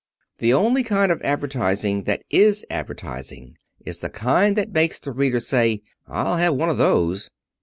The only kind of advertising that is advertising is the kind that makes the reader say, 'I'll have one of those.'"